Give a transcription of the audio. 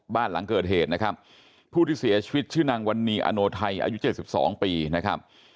บ้านหลังเกิดเหตุนะครับผู้ที่เสียชีวิตชื่อนางวันนี้อโนไทยอายุ๗๒ปีนะครับ